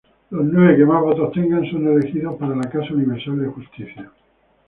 Los nueve que más votos tengan son elegidos para la Casa Universal de Justicia.